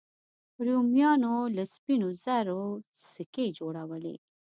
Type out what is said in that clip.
رومیانو به له سپینو زرو سکې جوړولې